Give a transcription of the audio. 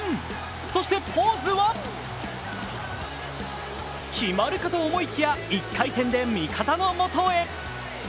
そしてポーズは決まるかと思いきや一回転で味方のもとへ。